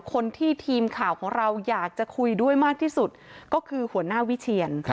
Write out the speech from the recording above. คนที่ทีมข่าวของเราอยากจะคุยด้วยมากที่สุดก็คือหัวหน้าวิเชียน